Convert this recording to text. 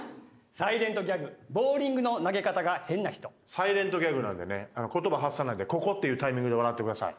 サイレントギャグなんでね言葉発さないんでここってタイミングで笑ってください。